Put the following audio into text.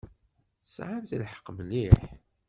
Tesɛamt lḥeqq mliḥ.